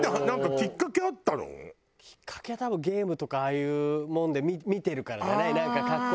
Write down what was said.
きっかけは多分ゲームとかああいうもんで見てるからじゃない？